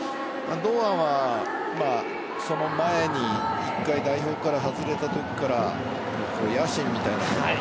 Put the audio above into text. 堂安はその前に１回代表から外れたときから野心みたいなもの